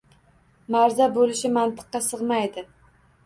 Marza bo‘lishi mantiqqa sig‘maydi.